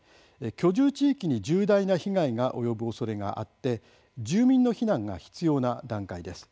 居住地域に重大な被害が及ぶおそれがあって住民の避難が必要な段階です。